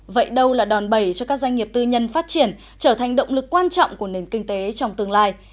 vậy đâu là đòn bẩy cho các doanh nghiệp tư nhân phát triển trở thành động lực quan trọng của nền kinh tế trong tương lai